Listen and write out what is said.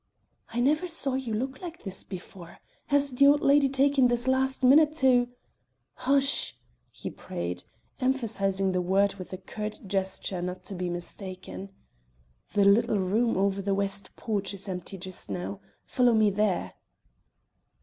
"I never saw you look like this before. Has the old lady taken this last minute to " "Hush!" he prayed, emphasizing the word with a curt gesture not to be mistaken. "The little room over the west porch is empty just now. Follow me there."